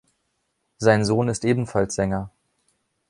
Sein Sohn ist ebenfalls Sänger.